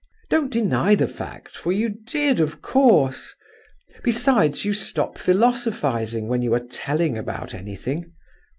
Don't deny the fact, for you did, of course. Besides, you stop philosophizing when you are telling about anything."